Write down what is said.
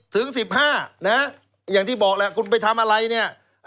๑๐ถึง๑๕อย่างที่บอกแล้วคุณไปทำอะไร